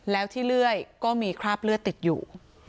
แล้วที่เลื่อยก็มีคราบเลือดติดอยู่